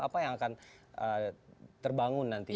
apa yang akan terbangun nanti